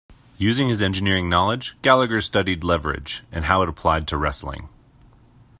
Using his engineering knowledge, Gallagher studied leverage, and how it applied to wrestling.